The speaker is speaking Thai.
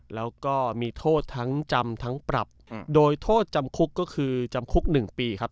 แล้วก็มีโทษทั้งจำทั้งปรับโดยโทษจำคุกก็คือจำคุก๑ปีครับ